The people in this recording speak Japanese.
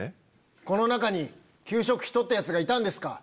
この中に給食費取ったヤツがいたんですか？